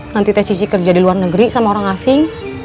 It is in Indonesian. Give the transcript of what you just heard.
nanti tes cici kerja di luar negeri sama orang asing